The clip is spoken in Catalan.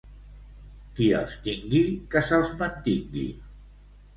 Qui els tingui, que se'ls mantingui.